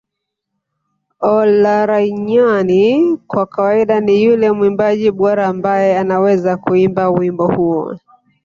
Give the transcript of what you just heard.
Olaranyani kwa kawaida ni yule mwimbaji bora ambaye anaweza kuimba wimbo huo